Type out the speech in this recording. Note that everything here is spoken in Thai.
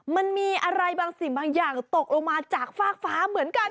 มันมีอะไรบางสิ่งบางอย่างตกลงมาจากฟากฟ้าเหมือนกัน